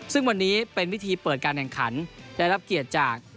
ซึ่งวันนี้เป็นพิธีเปิดการแข่งขันได้รับเกียรติจาก